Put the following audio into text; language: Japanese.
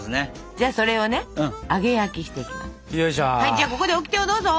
じゃあここでオキテをどうぞ！